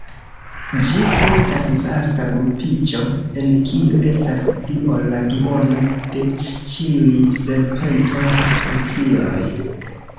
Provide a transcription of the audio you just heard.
Ĝi estas vasta grupiĝo en kiu estas pli ol la duono de ĉiuj serpento-specioj.